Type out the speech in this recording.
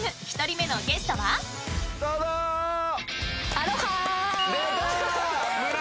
アロハー。